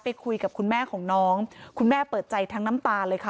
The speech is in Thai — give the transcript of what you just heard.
คุยกับคุณแม่ของน้องคุณแม่เปิดใจทั้งน้ำตาเลยค่ะ